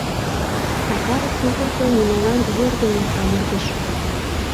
Сакарын тувыржо нимолан йӧрдымын амыргыш.